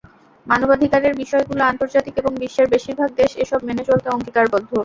মানবাধিকারের বিষয়গুলো আন্তর্জাতিক এবং বিশ্বের বেশির ভাগ দেশ এসব মেনে চলতে অঙ্গীকারবদ্ধ।